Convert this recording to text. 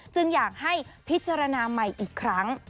อยากให้พิจารณาใหม่อีกครั้ง